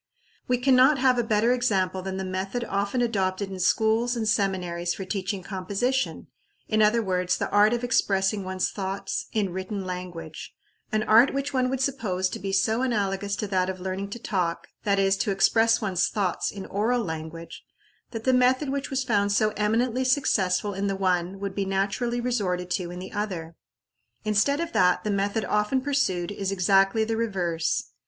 We can not have a better example than the method often adopted in schools and seminaries for teaching composition; in other words, the art of expressing one's thoughts in written language an art which one would suppose to be so analogous to that of learning to talk that is, to express one's thoughts in oral language that the method which was found so eminently successful in the one would be naturally resorted to in the other. Instead of that, the method often pursued is exactly the reverse.